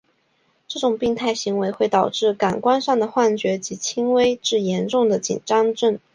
这种病态行为会导致感官上的幻觉及轻微至严重的紧张症。